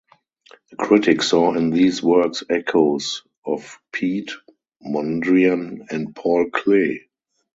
A critic saw in these works echoes of Piet Mondrian and Paul Klee.